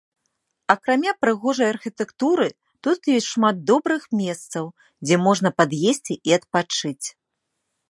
Акрамя прыгожай архітэктуры тут ёсць шмат добрых месцаў, дзе можна пад'есці і адпачыць.